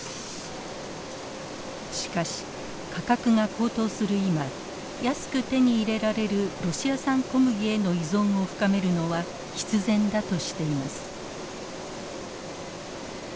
しかし価格が高騰する今安く手に入れられるロシア産小麦への依存を深めるのは必然だとしています。